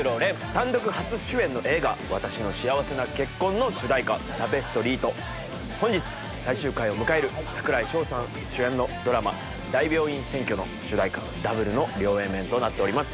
単独初主演の映画『わたしの幸せな結婚』の主題歌『タペストリー』と本日最終回を迎える櫻井翔さん主演のドラマ『大病院占拠』の主題歌『Ｗ』の両Ａ面となっております。